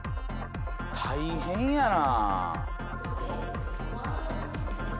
大変やな。